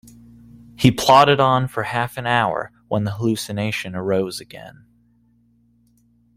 He plodded on for half an hour, when the hallucination arose again.